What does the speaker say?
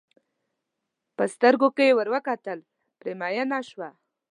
په سترګو کې یې ور کتل پرې مینه شوه.